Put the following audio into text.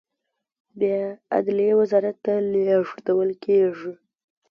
بیا عدلیې وزارت ته لیږل کیږي.